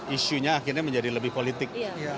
isunya akhirnya menjadi lebih politik